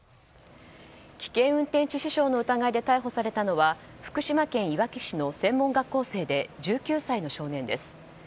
危険運転致死傷の疑いで逮捕されたのは福島県いわき市の専門学校生で１９歳の少年です。